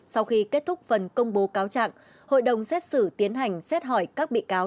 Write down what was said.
sau khi kết thúc phần công bố cáo trạng hội đồng xét xử tiến hành xét hỏi các bị cáo